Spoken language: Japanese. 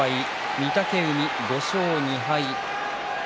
御嶽海５勝２敗。